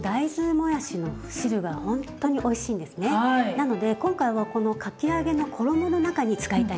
なので今回はこのかき揚げの衣の中に使いたいんです。